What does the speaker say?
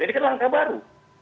ini kan langkah baru